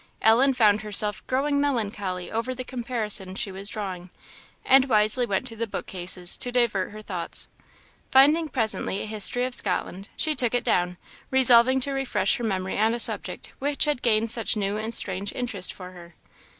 Ellen found herself growing melancholy over the comparison she was drawing, and wisely went to the book cases to divert her thoughts. Finding presently a history of Scotland, she took it down, resolving to refresh her memory on a subject which had gained such new and strange interest for her.